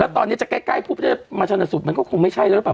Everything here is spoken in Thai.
แล้วตอนนี้จะใกล้ใกล้พูดว่าจะมาชนสูตรมันก็คงไม่ใช่แล้วหรือเปล่า